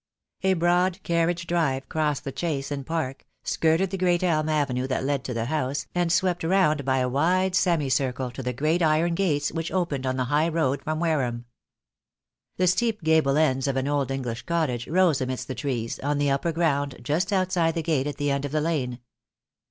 A broad carriage drive crossed the Chase and park, skirted the great elm avenue that led to the house, and swept round by a wide semi circle to the great iron gates which opened on the high road from Wareham. The steep gable ends of an old English cottage rose amidst the trees, on the upper ground just outside the gate at the end of the lane.